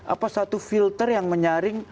apa satu filter yang menyaring